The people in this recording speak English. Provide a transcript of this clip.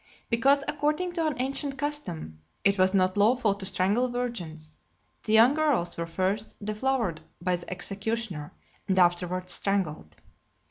Because, according to an ancient custom, it was not lawful to strangle virgins, the young girls were first deflowered by the executioner, and afterwards strangled.